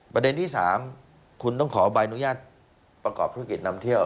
ประเด็นที่๓คุณต้องขอใบอนุญาตประกอบธุรกิจนำเที่ยว